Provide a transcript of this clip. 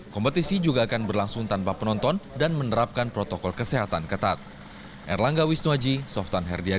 kompetisi juga akan berlangsung tanpa penonton dan menerapkan protokol kesehatan ketat